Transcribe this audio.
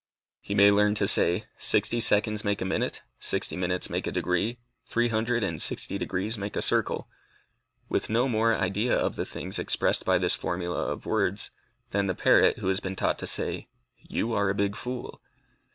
He may learn to say "sixty seconds make a minute, sixty minutes make a degree, three hundred and sixty degrees make a circle," with no more idea of the things expressed by this formula of words, than the parrot who has been taught to say, "You are a big fool."